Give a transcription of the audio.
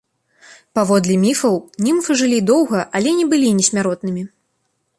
Паводле міфаў німфы жылі доўга, але не былі несмяротнымі.